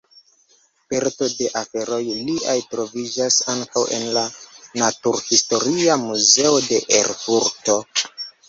Parto de aferoj liaj troviĝas ankaŭ en la Naturhistoria Muzeo de Erfurto.